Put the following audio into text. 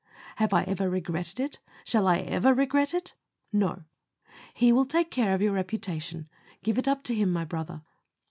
Have I ever regretted it? Shall I ever regret it? No; He will take care of your reputation. Give it up to Him, my brother.